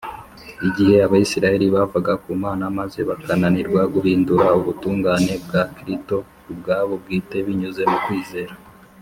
igihe abayisiraheli bavaga ku mana maze bakananirwa guhindura ubutungane bwa krito ubwabo bwite binyuze mu kwizera